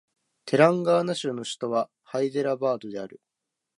テランガーナ州の州都はハイデラバードである